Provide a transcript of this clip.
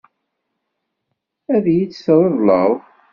Ad iyi-tt-tṛeḍleḍ?